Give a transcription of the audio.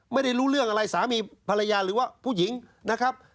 ไม่ได้รู้เรื่องอะไรสามีภรรยาหรือว่าผู้หญิงนะครับ